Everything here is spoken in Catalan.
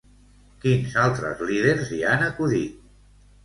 Quins altres líders hi han acudit?